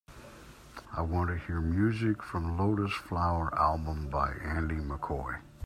I want to hear music from the Lotus Flower album by Andy Mccoy